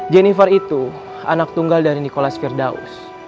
jennifer itu anak tunggal dari nikolas firdaus